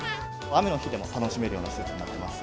雨の日でも楽しめるような施設になっています。